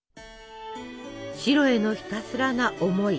白へのひたすらな思い。